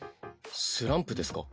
スランプですか？